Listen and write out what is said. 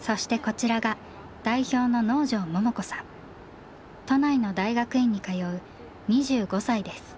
そしてこちらが代表の都内の大学院に通う２５歳です。